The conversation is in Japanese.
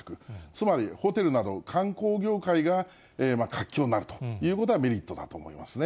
つまりホテルなど観光業界が活況になるということがメリットだと思いますね。